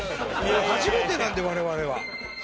初めてなんで我々は。